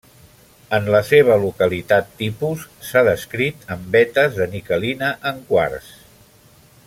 En la seva localitat tipus s’ha descrit en vetes de niquelina en quars.